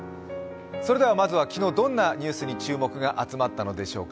それではまずは昨日どんなニュースに注目が集まったのでしょうか。